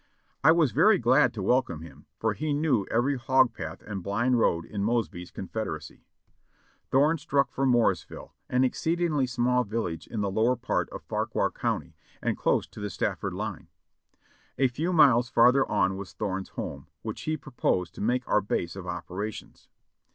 I was very glad to welcome him, for he knew every hog path and blind road in Mosby's Confederacy. Thorne struck for Morrisville, an exceedingly small village in the lower part of Fauquier County, and close to the Staft'ord line. A few miles farther on was Thome's home, which he proposed to make our base of operations.